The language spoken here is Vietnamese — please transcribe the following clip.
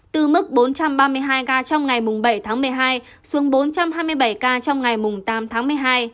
từ mức bốn trăm ba mươi hai ca trong ngày bảy tháng một mươi hai xuống bốn trăm hai mươi bảy ca trong ngày tám tháng một mươi hai